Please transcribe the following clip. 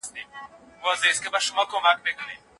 ډیپلوماسي د جګړي د اور د مړولو لار ده.